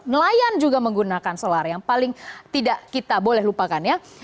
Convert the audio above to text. nelayan juga menggunakan solar yang paling tidak kita boleh lupakan ya